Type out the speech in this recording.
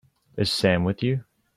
Is Sam with you?